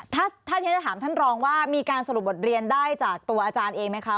ถ้าที่ฉันจะถามท่านรองว่ามีการสรุปบทเรียนได้จากตัวอาจารย์เองไหมคะ